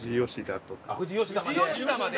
富士吉田まで！？